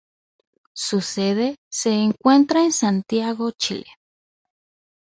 Su sede se encuentra en Santiago, Chile.